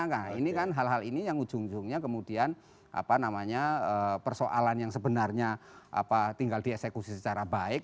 nah ini kan hal hal ini yang ujung ujungnya kemudian persoalan yang sebenarnya tinggal dieksekusi secara baik